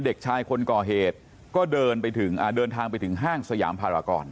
เด็กชายคนก่อเหตุก็เดินไปถึงเดินทางไปถึงห้างสยามภารกร